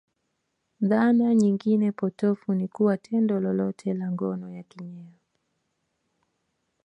Dhana nyingine potovu ni kuwa tendo lolote la ngono ya kinyeo